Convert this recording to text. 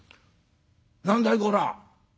何だいこら。